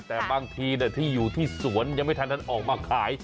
แต่บางทีที่อยู่ที่สวนยังไม่ทันนั้นออกมาขาย